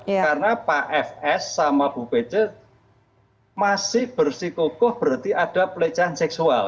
karena pak fs sama bu pece masih bersikukuh berarti ada pelecehan seksual